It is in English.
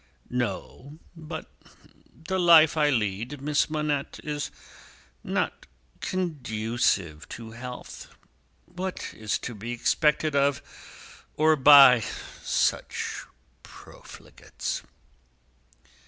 "No. But the life I lead, Miss Manette, is not conducive to health. What is to be expected of, or by, such profligates?"